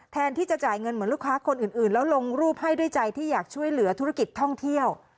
ที่จะจ่ายเงินเหมือนลูกค้าคนอื่นแล้วลงรูปให้ด้วยใจที่อยากช่วยเหลือธุรกิจท่องเที่ยว